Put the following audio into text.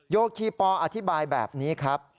โยคีปออธิบายแบบนี้ครับ